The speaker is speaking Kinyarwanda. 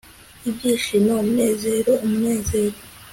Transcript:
Ibyishimo umunezero umunezero